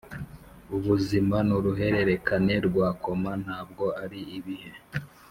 ubuzima nuruhererekane rwa koma, ntabwo ari ibihe.